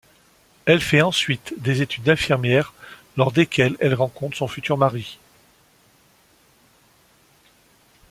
Elle fait ensuite des études d'infirmière lors desquelles elle rencontre son futur mari.